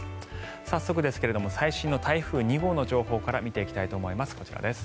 早速ですが最新の台風２号の情報から見ていきたいと思います。